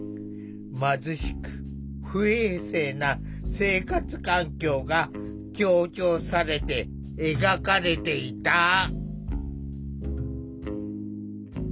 貧しく不衛生な生活環境が強調されて描かれていた。